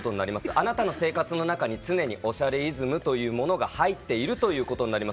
あなたの生活の中に常に『おしゃれイズム』というものが入っているということになります。